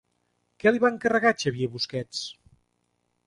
Què li va encarregar Xavier Busquets?